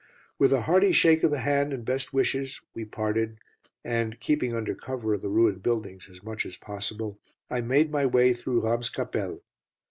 With a hearty shake of the hand and best wishes we parted, and, keeping under cover of the ruined buildings as much as possible, I made my way through Ramscapelle.